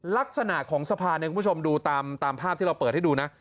ลักษณะของสะพานเนี่ยคุณผู้ชมดูตามภาพที่เราเปิดให้ดูนะ